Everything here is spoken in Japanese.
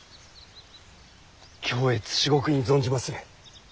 恐悦至極に存じまする！